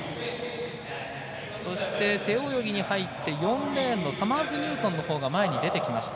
そして背泳ぎに入って４レーンのサマーズニュートンのほうが前に出てきました。